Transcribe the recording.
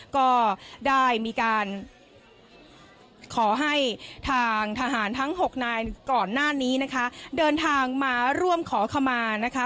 ก็ได้มีการขอให้ทางทหารทั้ง๖นายก่อนหน้านี้นะคะเดินทางมาร่วมขอขมานะคะ